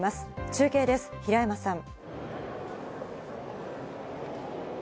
中継です、平山さん。